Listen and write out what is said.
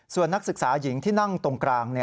ส่วนนักศึกษาหญิงที่นั่งตรงกลาง